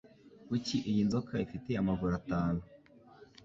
Kuki iyi nzoka ifite amaguru atanu?